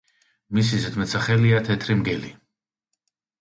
მისი ზედმეტსახელია „თეთრი მგელი“.